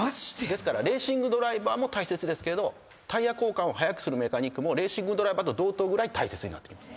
ですからレーシングドライバーも大切ですけどタイヤ交換を早くするメカニックもレーシングドライバーと同等ぐらい大切になってきます。